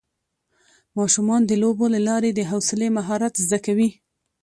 ماشومان د لوبو له لارې د حوصلې مهارت زده کوي